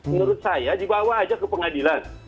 menurut saya dibawa aja ke pengadilan